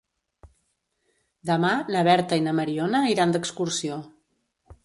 Demà na Berta i na Mariona iran d'excursió.